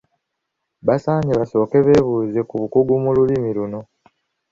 Basaanye basooke beebuuze ku bakugu mu Lulimi luno.